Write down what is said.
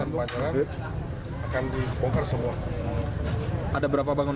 dengan mengamalkan ini barang barang penderita bermanfaatan menjadikan simpel